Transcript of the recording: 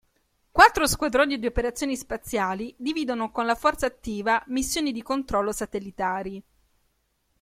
Quattro squadroni di operazioni spaziali dividono con la forza attiva missioni di controllo satellitari.